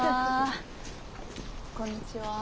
こんにちは。